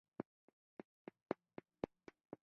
په نولس سوه څلور اتیا کال کې حاصلات یو پر درې زیات شول.